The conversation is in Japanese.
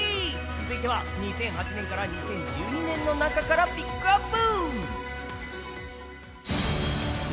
続いては２００８年から２０１２年の中からピックアップ！